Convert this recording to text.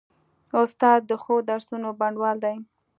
استاد د ښو درسونو بڼوال دی.